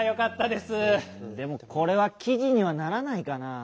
でもこれはきじにはならないかなぁ。